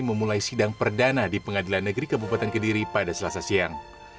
memulai sidang perdana di pengadilan negeri kabupaten kediri pada selasa siang